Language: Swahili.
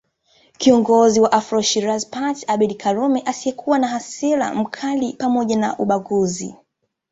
Kiongozi wa Afro Shirazi Party Abeid karume asiyekuwa na hasira mkali pzmoja na ubaguzi